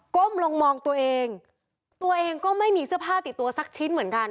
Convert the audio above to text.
้มลงมองตัวเองตัวเองก็ไม่มีเสื้อผ้าติดตัวสักชิ้นเหมือนกัน